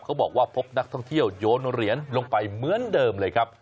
เขาบอกว่าพบนักท่องเที่ยวโยนเหรียญลงไปเหมือนเดิมเลยครับ